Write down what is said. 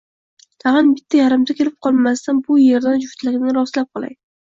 Tag`in bitti-yarimta kelib qolmasidan bu erdan juftakni rostlab qolay